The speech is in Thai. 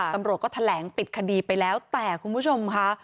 ตำรวจก็แถลงปิดคดีไปแล้วแต่คุณผู้ชมค่ะ